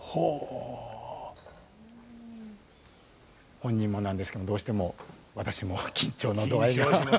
本人もなんですけどどうしても私も緊張の度合いが。